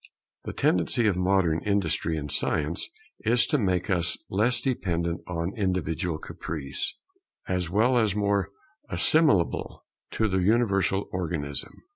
The tendency of modern industry and science is to make us less dependent on individual caprice, as well as more assimilable to the universal Organism.